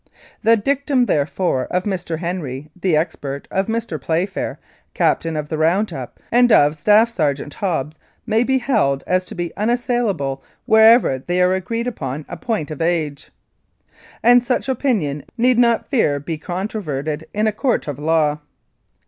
The dictum, therefore, of Mr. Henry, the expert, of Mr. Playfair, captain of the round up, and of Staff Sergeant Hobbs may be held as to be unassailable wherever they are agreed upon a point of age, and such opinion need not fear to be controverted in a court of law.